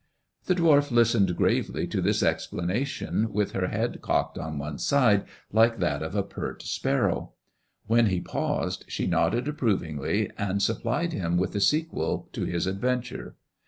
The dwarf listened gravely to this explanation, with her lead cocked on one side like that of a pert sparrow. When le paused she nodded approvingly, and supplied him with ihe sequel to his adventure.